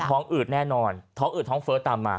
คล้องอืดแน่แหละคล้องอืดคล้องเฟิร์ร์ต่ามมา